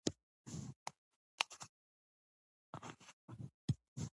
دا مبارزه مذاکره او تعامل ردوي.